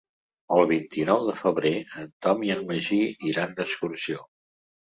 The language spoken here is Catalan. El vint-i-nou de febrer en Tom i en Magí iran d'excursió.